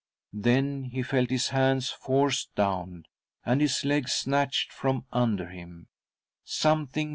Then he felt his hands forced down, and . his legs snatched from under him ; something